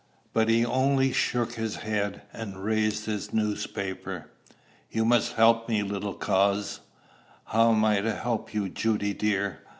But he only shook his head and raised his newspaper. You must help me, little coz." "How am I to help you, Judy dear?"